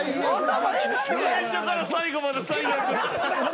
最初から最後まで最悪。